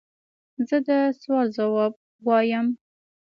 زه د سوال ځواب وایم.